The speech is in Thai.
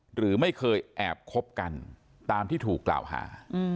หรือไม่เคยแอบคบกันตามที่ถูกกล่าวหา